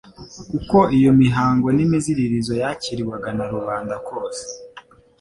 Uko iyo mihango n'imiziririzo yakirwaga na rubanda kose,